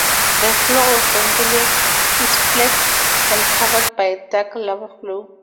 The floor of Vendelinus is flat and covered by a dark lava flow.